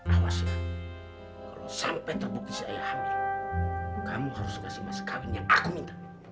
awasin kalo sampe terbukti saya hamil kamu harus ngasih masa kawin yang aku minta